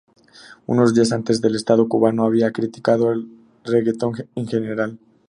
Unos días antes el estado cubano había criticado el reguetón en general.